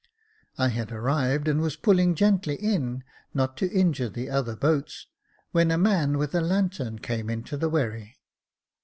I had arrived, and was pulling gently in, not to injure the other boats, when a man with a lantern came into the wherry.